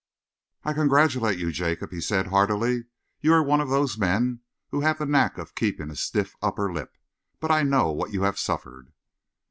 "I congratulate you, Jacob," he said heartily. "You are one of those men who have the knack of keeping a stiff upper lip, but I know what you have suffered."